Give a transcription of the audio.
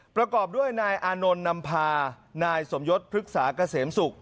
ประกอบด้วยนายอานนท์นำพานายสมยศพฤกษาเกษมศุกร์